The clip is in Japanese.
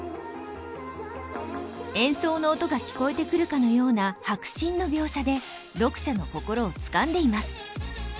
演奏の音が聴こえてくるかのような迫真の描写で読者の心をつかんでいます。